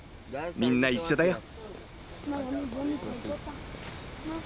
みんな一緒だよ。